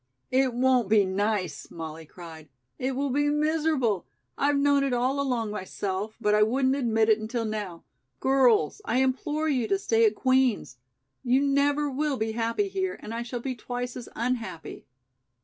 "It won't be nice," Molly cried. "It will be miserable. I've known it all along myself, but I wouldn't admit it until now. Girls, I implore you to stay at Queen's. You never will be happy here, and I shall be twice as unhappy."